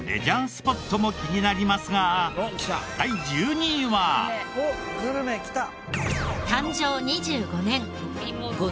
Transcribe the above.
スポットも気になりますが第１２位は。おっグルメ来た。